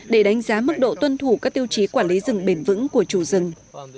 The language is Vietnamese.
để đánh giá mức độ tuân thủ các tiêu chí quản lý rừng bền vững của chủ rừng